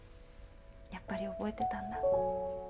やっぱり覚えてたんだ。